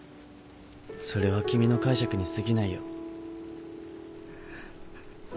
それは君の解釈にすぎないよ。